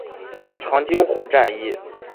长津湖战役